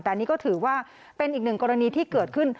แต่อันนี้ก็ถือว่าเป็นอีกหนึ่งกรณีที่เกิดขึ้น